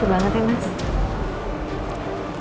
aku bayang nggak kalau anak kita masih ada